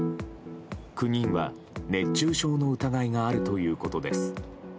９人は熱中症の疑いがあるということです。